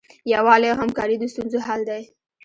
یووالی او همکاري د ستونزو حل دی.